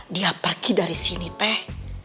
dia pergi dari sini teh